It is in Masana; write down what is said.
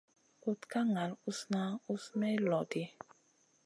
Kuɗ ka ŋal usna usna may lodi.